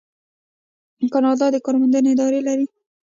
کاناډا د کار موندنې ادارې لري.